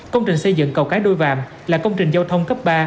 công trình xây dựng cầu cái đôi vàm là công trình giao thông cấp ba